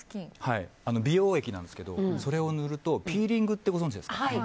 美容液なんですけどそれを塗るとピーリングってご存じですか。